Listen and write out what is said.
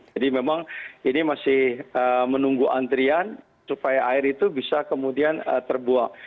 memang ini masih menunggu antrian supaya air itu bisa kemudian terbuang